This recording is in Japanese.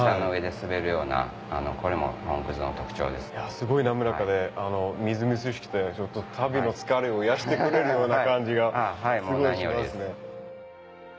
すごい滑らかでみずみずしくて旅の疲れを癒やしてくれるような感じがすごいしますね。